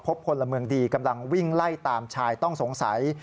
พลเมืองดีกำลังวิ่งไล่ตามชายต้องสงสัย